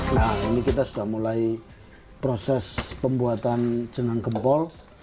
nah ini kita sudah mulai proses pembuatan jenang gempol